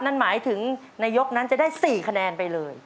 นั่นหมายถึงในยกนั้นจะได้๔คะแนนไปเลย